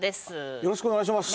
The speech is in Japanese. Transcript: よろしくお願いします！